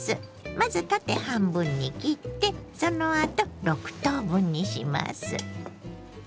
まず縦半分に切ってそのあと６等分にします。